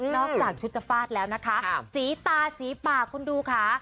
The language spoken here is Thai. รอบถังชุดทรภาษณ์แล้วนะคะสีตาสีปากคุณดูคะ